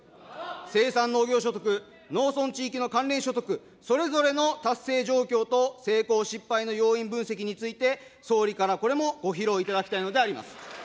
生産農業所得、農村地域の関連所得、それぞれの達成状況と成功、失敗の要因分析について、総理からこれもご披露いただきたいのであります。